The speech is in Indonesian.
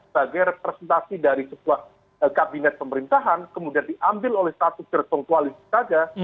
mengenai pemerintahan kemudian diambil oleh status tertentu alis tanda